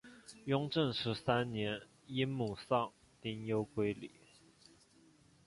雍正十三年因母丧丁忧归里。